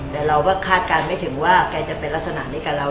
แต่เราก็คาดการณ์ไม่ถึงว่าแกจะเป็นลักษณะนี้กับเรา